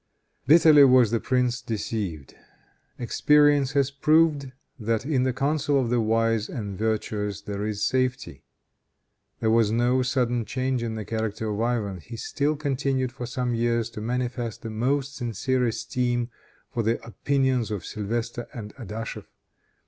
Bitterly was the prince deceived. Experience has proved that, in the counsel of the wise and virtuous, there is safety. There was no sudden change in the character of Ivan. He still continued for some years to manifest the most sincere esteem for the opinions of Sylvestre and Adachef.